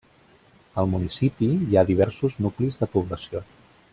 Al municipi hi ha diversos nuclis de població.